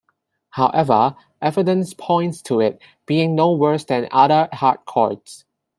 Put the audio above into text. However, evidence points to it being no worse than other hard courts.